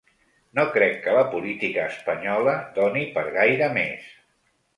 No crec que la política espanyola doni per gaire més.